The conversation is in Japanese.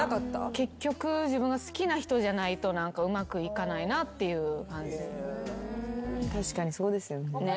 結局自分が好きな人じゃないとうまくいかないなっていう感じ。